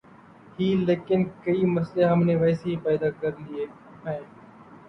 ہی لیکن کئی مسئلے ہم نے ویسے ہی پیدا کر لئے ہیں۔